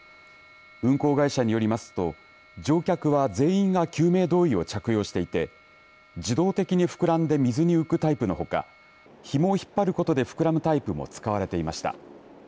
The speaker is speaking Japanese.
運航会社によりますと乗客は全員が救命胴衣を着用していて自動的に膨らんで水に浮くタイプのほかひもを引っ張ることで膨らむタイプも使われていました。